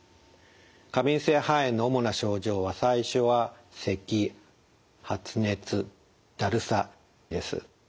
過敏性肺炎の主な症状は最初はせき発熱だるさです。